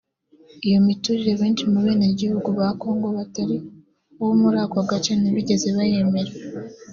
Iyo miturire benshi mu benegihugu ba Congo batari abo muri ako gace ntibigeze bayemera